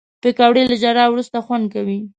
پکورې له ژړا وروسته خوند کوي